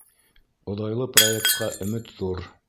Оҙайлы проектҡа өмөт ҙур